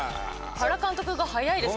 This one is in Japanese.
原監督が早いです。